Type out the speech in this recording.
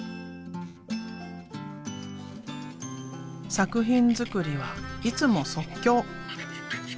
作品作りはいつも即興。